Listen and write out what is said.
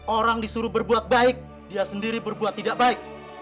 orang disuruh berbuat baik dia sendiri berbuat tidak baik